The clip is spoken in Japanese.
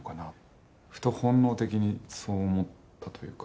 ふと本能的にそう思ったというか。